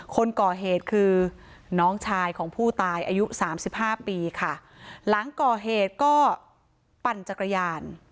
คนก่อเหตุคือน้องชายของผู้ตายอายุสามสิบห้าปีค่ะหลังก่อเหตุก็ปั่นจักรยาน